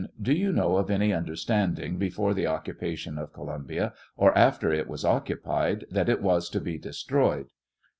Do you know of any understanding before the occupation of Columbia, or after it was occupied, that it was to be destroyed